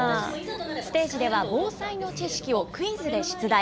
ステージでは防災の知識をクイズで出題。